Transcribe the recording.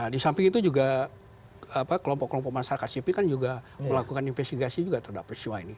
di samping itu juga kelompok kelompok masyarakat sipil kan juga melakukan investigasi juga terhadap peristiwa ini